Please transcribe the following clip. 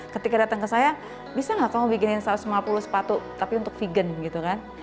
ketika datang ke saya bisa nggak kamu bikinin satu ratus lima puluh sepatu tapi untuk vegan gitu kan